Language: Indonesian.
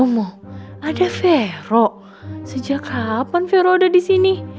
omo ada vero sejak kapan vero udah disini